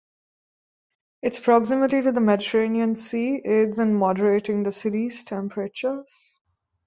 Its proximity to the Mediterranean Sea aids in moderating the city's temperatures.